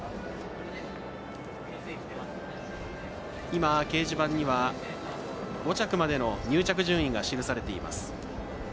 今、掲示板には５着までの入着順位が記されています。